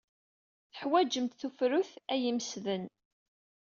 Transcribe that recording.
Teḥwajemt tafrut ay imesden.